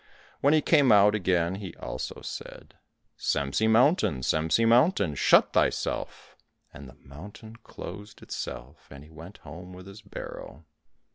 When he came out again he also said, "Semsi mountain, Semsi mountain, shut thyself;" and the mountain closed itself, and he went home with his barrow.